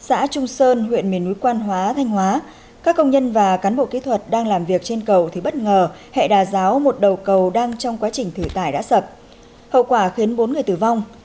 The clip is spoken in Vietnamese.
xã trung sơn huyện miền núi quan hóa thanh hóa các công nhân và cán bộ kỹ thuật đang làm việc trên cầu thì bất ngờ hệ đà giáo một đầu cầu đang trong quá trình thử tải đã sập hậu quả khiến bốn người tử vong